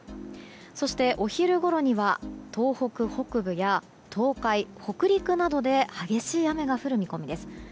そして、お昼ごろには東北北部や東海、北陸などで激しい雨が降る見込みです。